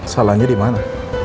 salahnya di mana